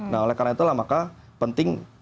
nah oleh karena itulah maka penting